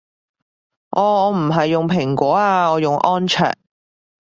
哦我唔係用蘋果啊我用安卓